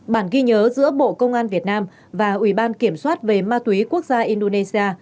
bản ghi nhớ giữa bộ công an việt nam và ủy ban kiểm soát về ma túy quốc gia indonesia